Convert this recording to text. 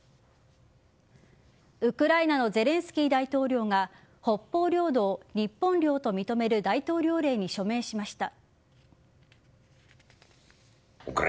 ウクライナのゼレンスキー大統領が北方領土を日本領と認める大統領令に署名しました。